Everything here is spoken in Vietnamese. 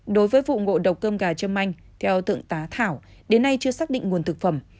đối với vụ ngộ độc cơm gà châm anh theo tượng tá thảo đến nay chưa xác định nguồn thực phẩm